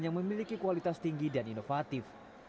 yang memiliki kualitas tinggi dan inovatif